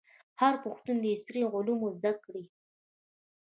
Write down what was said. هر پښتون دي عصري علوم زده کړي.